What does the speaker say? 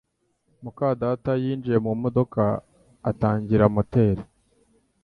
muka data yinjiye mu modoka atangira moteri